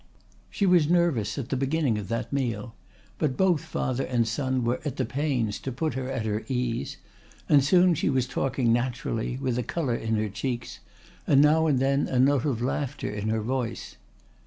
She was nervous at the beginning of that meal, but both father and son were at the pains to put her at her ease; and soon she was talking naturally, with a colour in her cheeks, and now and then a note of laughter in her voice.